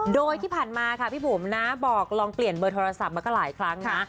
โดยที่ผ่านมาค่ะพี่บุ๋มนะบอกลองเปลี่ยนเบอร์โทรศัพท์มาก็หลายครั้งนะ